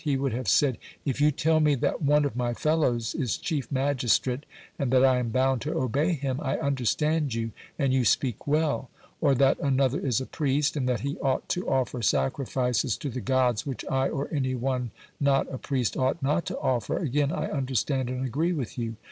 He would have said, "If you tell me that one of my fellows is chief magistrate, and that I am bound to obey him, I understand you, and you speak well; or that another is a priest, and that he ought to offer sacrifices to the gods which I or any one not a priest ought not to offer, again I understand and agree with you.